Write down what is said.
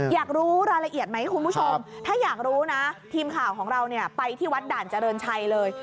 อยากรู้รายละเอียดไหมคุณผู้ชมถ้าอยากรู้นะทีมข่าวของเราเนี่ยไปที่วัดด่านเจริญชัยเลย